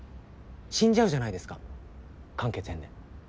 死んじゃうじゃないですか完結編で。